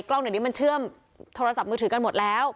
กล้องเดี๋ยวนี้มันเชื่อมโทรศัพท์มือถือกันหมดแล้ว